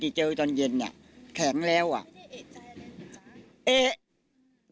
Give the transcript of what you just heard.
ที่เจอตอนเย็นอ่ะแข็งแล้วอ่ะไม่ได้เอ่ยใจอะไรเลยจ๊ะ